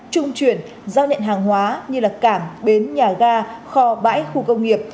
trung chuyển giao nhận hàng hóa như là cảng bến nhà ga kho bãi khu công nghiệp